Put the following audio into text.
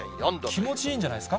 気持ちいいんじゃないですか。